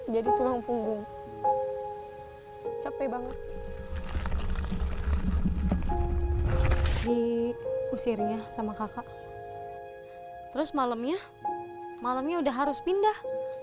jadi tulang punggung capek banget diusirnya sama kakak terus malamnya malamnya udah harus pindah